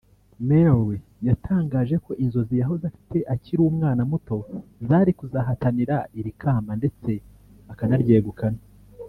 Mallory yatangaje ko inzozi yahoze afite akiri umwana muto zari kuzahatanira iri kamba ndetse akanaryegukana